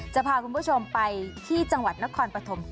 จะพาคุณผู้ชมไปที่จังหวัดนครปฐม